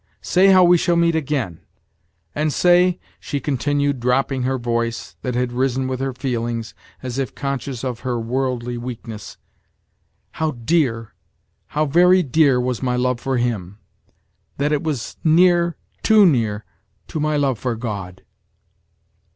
Say how we shall meet again. And say," she continued, dropping her voice, that had risen with her feelings, as if conscious of her worldly weakness, "how clear, how very dear, was my love for him; that it was near, too near, to my love for God."